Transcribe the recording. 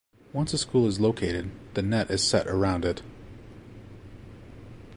Once a school is located, the net is set around it.